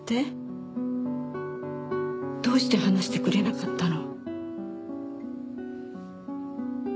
どうして話してくれなかったの？